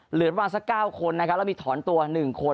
เหลือประมาณสัก๙คนนะครับแล้วมีถอนตัว๑คน